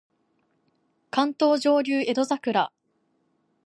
関東上流江戸桜